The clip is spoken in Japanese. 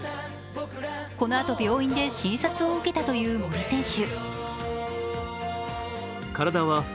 このあと病院で診察を受けたという森選手。